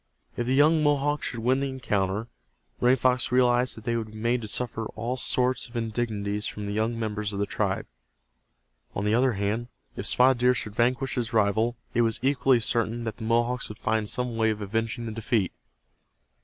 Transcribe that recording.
If the young Mohawk should win the encounter, Running Fox realized that they would be made to suffer all sorts of indignities from the younger members of the tribe. On the other hand, if Spotted Deer should vanquish his rival it was equally certain that the Mohawks would find some way of avenging the defeat.